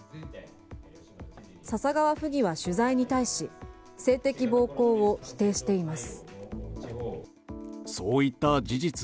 笹川府議は取材に対し性的暴行を否定しています。